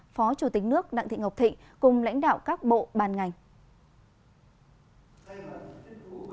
phó chủ tịch nước đặng thị ngọc thị cùng lãnh đạo các bộ bàn ngành